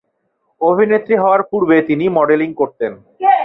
অভিনেত্রী হওয়ার পূর্বে উনি মডেলিং করতেন।